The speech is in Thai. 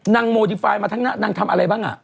โมดีไฟล์มาทั้งหน้านางทำอะไรบ้างอ่ะ